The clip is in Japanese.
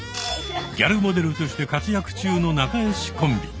ギャルモデルとして活躍中の仲良しコンビ。